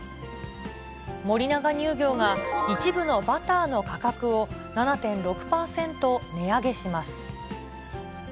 森永乳業が、一部のバターの価格を７．６％値上げします。